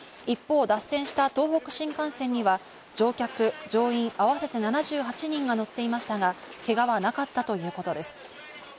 一方、脱線した東北新幹線には乗客乗員合わせて７８人が乗っていましたが、けがはなかったということです。